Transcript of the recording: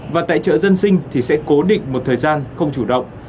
và tại chợ dân sinh thì sẽ cố định một thời gian không chủ động